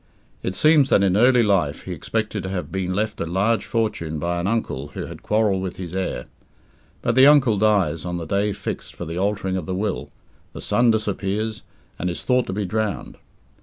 It seems that in early life he expected to have been left a large fortune by an uncle who had quarrelled with his heir. But the uncle dies on the day fixed for the altering of the will, the son disappears, and is thought to be drowned.